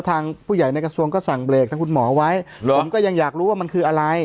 ทางผู้ใหญ่ในกระทรวงก็สั่งเบรกทางคุณหมอไว้ผมก็ยังอยากรู้ว่ามันคืออะไร